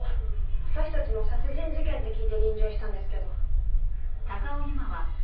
私たちも殺人事件って聞いて臨場したんですけど。